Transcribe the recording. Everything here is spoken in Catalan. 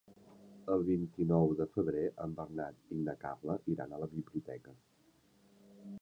El vint-i-nou de febrer en Bernat i na Carla iran a la biblioteca.